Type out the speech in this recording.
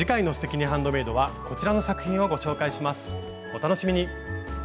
お楽しみに！